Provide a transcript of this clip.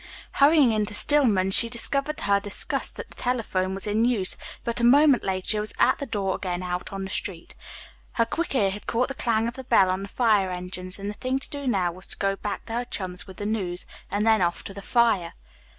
Hurrying into Stillman's, she discovered to her disgust that the telephone was in use, but a moment later she was at the door and again out on the street. Her quick ear had caught the clang of the bell on the fire engines, and the thing to do now was to go back to her chums with the news and then off to the fire.